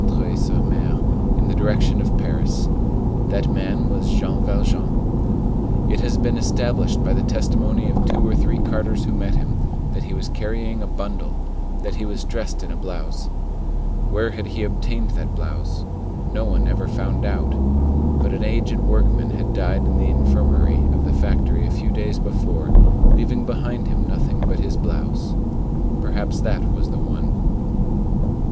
sur M. in the direction of Paris. That man was Jean Valjean. It has been established by the testimony of two or three carters who met him, that he was carrying a bundle; that he was dressed in a blouse. Where had he obtained that blouse? No one ever found out. But an aged workman had died in the infirmary of the factory a few days before, leaving behind him nothing but his blouse. Perhaps that was the one.